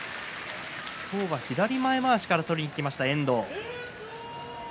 今日は左前まわしから取りにいきました遠藤。